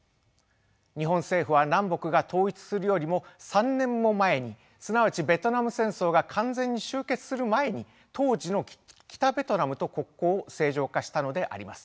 日本政府は南北が統一するよりも３年も前にすなわちベトナム戦争が完全に終結する前に当時の北ベトナムと国交を正常化したのであります。